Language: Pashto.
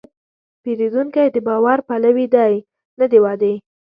پیرودونکی د باور پلوي دی، نه د وعدې.